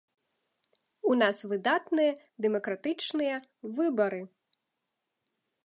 У нас выдатныя дэмакратычныя выбары.